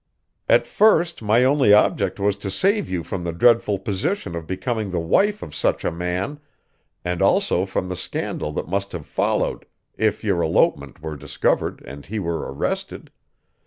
"At first my only object was to save you from the dreadful position of becoming the wife of such a man, and also from the scandal that must have followed if your elopement were discovered and he were arrested.